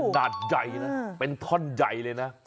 หนาดใยนะเป็นท่อนใยเลยนะ